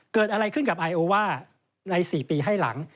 เกิดอะไรขึ้นกับไอโอว่าใน๔ปีให้หลัง